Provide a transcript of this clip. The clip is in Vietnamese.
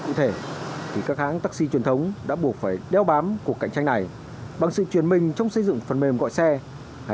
không thực hiện lịch nghỉ cố định